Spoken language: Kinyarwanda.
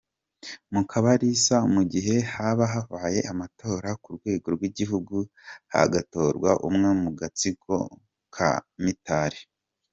Mukabarisa mugihe haba habaye amatora ku rwego rw’igihugu, hagatorwa umwe mugatsiko ka Mitali.